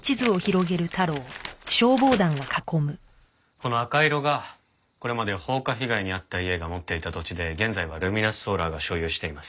この赤色がこれまで放火被害に遭った家が持っていた土地で現在はルミナスソーラーが所有しています。